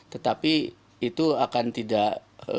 tetapi itu akan tidak